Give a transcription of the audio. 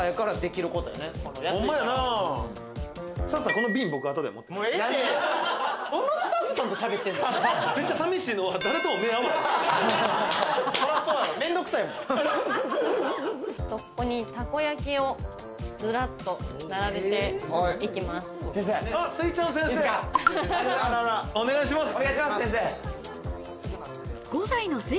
ここに、たこ焼きをずらっと並べていきます。